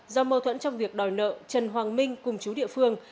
do mâu thuẫn trong việc đòi nợ trần hoàng minh cùng chú địa phương